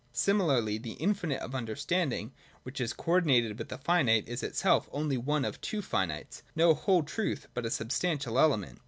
Similarly, the infinite of understanding, which is co ordinated with the finite, is itself only one of two finites, no whole truth, but a non substantial element.